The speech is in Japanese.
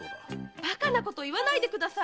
バカなこと言わないでください！